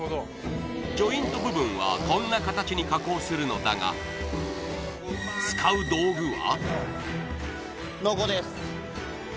ジョイント部分はこんな形に加工するのだが、使う道具は。